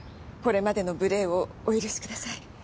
これまでの無礼をお許しください。